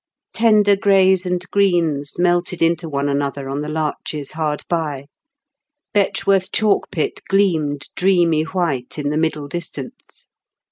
Tender greys and greens melted into one another on the larches hard by; Betchworth chalk pit gleamed dreamy white in the middle distance.